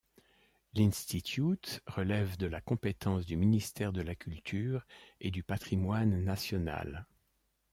L'Institute relève de la compétence du Ministère de la Culture et du Patrimoine national.